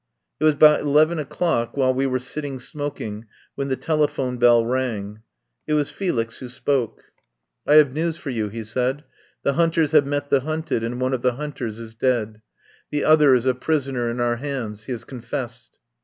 It was about eleven o'clock, while we were sitting smoking, when the telephone bell rang. It was Felix who spoke. "I have news for you," he said. "The hunt ers have met the hunted and one of the hunt ers is dead. The other is a prisoner in our hands. He has confessed."